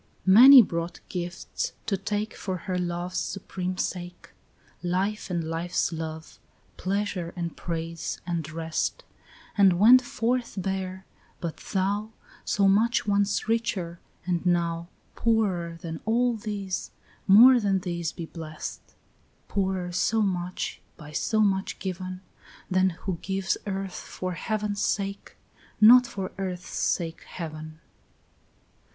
4 Many brought gifts to take For her love's supreme sake, Life and life's love, pleasure and praise and rest, And went forth bare; but thou, So much once richer, and now Poorer than all these, more than these be blest; Poorer so much, by so much given, Than who gives earth for heaven's sake, not for earth's sake heaven.